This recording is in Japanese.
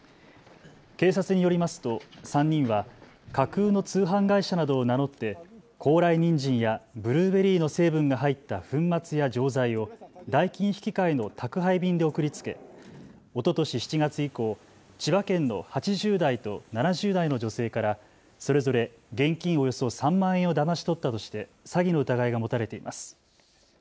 警察によりますと３人は架空の通販会社などを名乗って高麗にんじんやブルーベリーの成分が入った粉末や錠剤を代金引換の宅配便で送りつけおととし７月以降、千葉県の８０代と７０代の女性からそれぞれ現金およそ３万円をだまし取ったとして詐欺の疑いが持たれています。